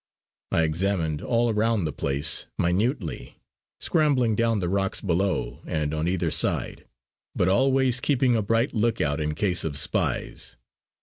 I examined all round the place minutely, scrambling down the rocks below and on either side, but always keeping a bright look out in case of spies.